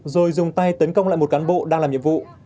rồi dùng tay tấn công lại một cán bộ đang làm nhiệm vụ